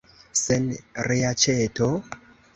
Sen reaĉeto?